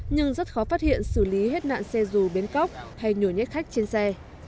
nhưng rất khó phát hiện xử lý hết nạn xe dù biến cóc hay nhổ nhét khách trên xe